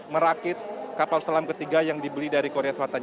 merakit kapal selam ketiga yang dibeli dari korea selatan